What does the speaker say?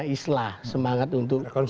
islah semangat untuk